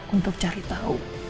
untuk cari tahu